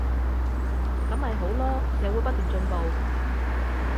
噉咪好囉，社會不斷進步